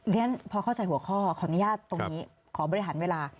เรียนพอเข้าใจหัวข้อขออนุญาตตรงนี้ขอบริหารเวลา